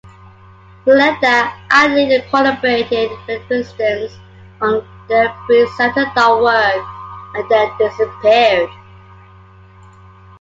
Senada allegedly collaborated with The Residents on their pre-"Santa Dog" work, and then disappeared.